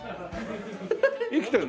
生きてるの？